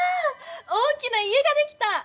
大きな家ができた！